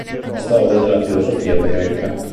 Storia della filosofia greca.